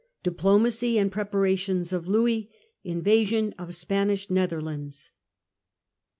DIPLOMACY AND PREPARATIONS OF LOUIS. INVASION OF SPANISH NETHERLANDS.